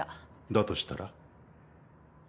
だとしたら？